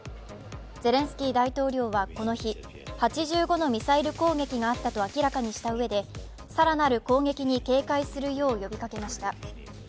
ゼレンスキー大統領はこの日、８５のミサイル攻撃があったと明らかにしたうえで更なる攻撃に警戒するよう呼びかけました。